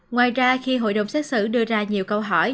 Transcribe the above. ngoài ra khi hội đồng xét xử đưa ra nhiều câu hỏi